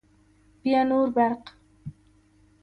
بیا نور برق